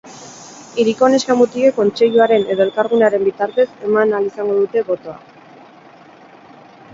Hiriko neska-mutilek kontseiluaren edo elkargunearen bitartez eman ahal izango dute botoa.